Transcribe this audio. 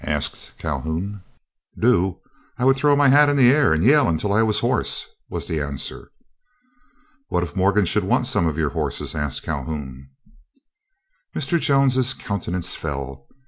asked Calhoun. "Do? I would throw my hat in the air and yell until I was hoarse," was the answer. "What if Morgan should want some of your horses?" asked Calhoun. Mr. Jones's countenance fell.